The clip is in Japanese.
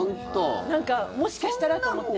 もしかしたらと思って。